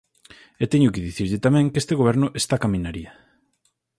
E teño que dicirlle tamén que este goberno está coa minaría.